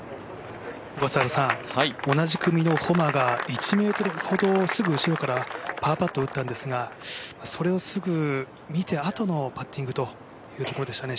同じ組のホマが１ｍほどすぐ後ろからパーパットを打ったんですがそれをすぐ見て、あとのパッティングところでしたね。